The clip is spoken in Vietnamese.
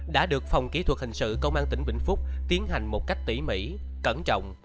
đã được phòng kỹ thuật hình sự công an tỉnh vĩnh phúc tiến hành một cách tỉ mỉ cẩn trọng